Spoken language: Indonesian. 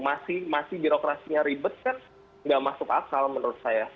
masih birokrasinya ribet kan nggak masuk akal menurut saya